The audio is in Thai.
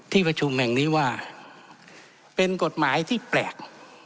ที่ประชุมแห่งนี้ว่าเป็นกฎหมายที่แปลก